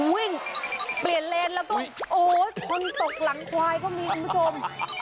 วิ่งเปลี่ยนเลนแล้วต้องโอ้คนตกหลังควายก็มีคุณผู้ชม